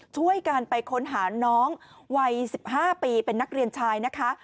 ช่วยกันไปค้นหาน้องวัย๑๕ปีเป็นนักเรียนชายนะคะ